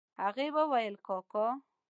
هغې وويل کاکا.